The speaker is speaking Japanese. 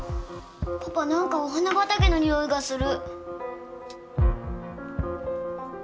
パパなんかお花畑の匂いがする。